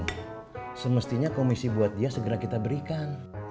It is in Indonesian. nah semestinya komisi buat dia segera kita berikan